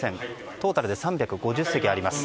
トータルで３５０席あります。